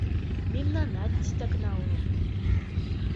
Мемнанат титакна уло.